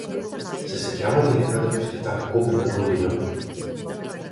Се сеќавате ли каде бевте таа кобна година?